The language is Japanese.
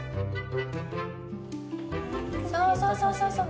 そうそうそうそうそう。